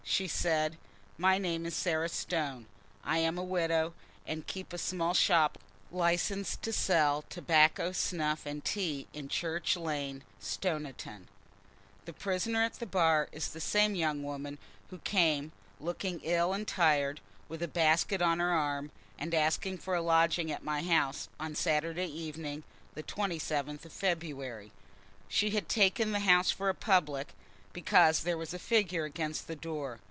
She said, "My name is Sarah Stone. I am a widow, and keep a small shop licensed to sell tobacco, snuff, and tea in Church Lane, Stoniton. The prisoner at the bar is the same young woman who came, looking ill and tired, with a basket on her arm, and asked for a lodging at my house on Saturday evening, the 27th of February. She had taken the house for a public, because there was a figure against the door.